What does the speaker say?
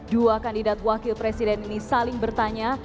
dua kandidat wakil presiden ini saling bertanya